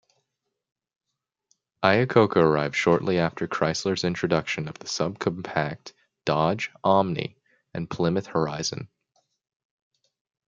Iacocca arrived shortly after Chrysler's introduction of the subcompact Dodge Omni and Plymouth Horizon.